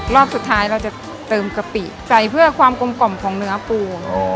รอบสุดท้ายเราจะเติมกะปิใส่เพื่อความกลมกล่อมของเนื้อปู